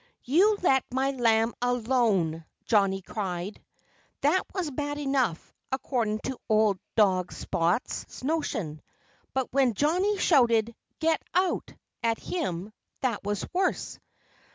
"You let my lamb alone!" Johnnie cried. That was bad enough, according to old dog Spot's notion. But when Johnnie shouted, "Get out!" at him, that was worse.